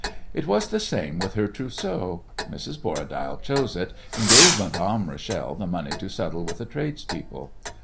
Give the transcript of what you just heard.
It was the same with her trousseau. Mrs. Borradaile chose it, and gave Madame Rachel the money to settle with the tradespeople.